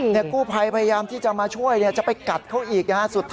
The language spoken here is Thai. ระกูภัยพยายามที่จะมาช่วยแล้วจะไปกัดเขาอีก